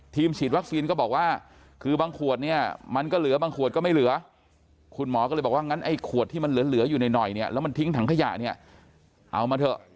ฉีดวัคซีนก็บอกว่าคือบางขวดเนี่ยมันก็เหลือบางขวดก็ไม่เหลือคุณหมอก็เลยบอกว่างั้นไอ้ขวดที่มันเหลืออยู่หน่อยเนี่ยแล้วมันทิ้งถังขยะเนี่ยเอามาเถอะ